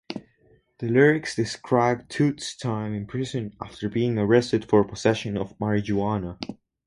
The lyrics describe Toots' time in prison after being arrested for possession of marijuana.